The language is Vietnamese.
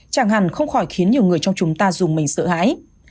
chẳng hạn không khỏi khiến nhiều người trong chúng ta dùng mình sợ hãi